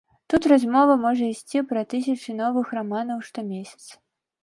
Тут размова можа ісці пра тысячы новых раманаў штомесяц.